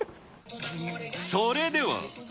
それでは。